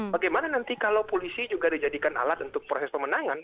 bagaimana nanti kalau polisi juga dijadikan alat untuk proses pemenangan